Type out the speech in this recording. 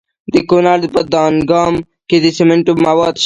د کونړ په دانګام کې د سمنټو مواد شته.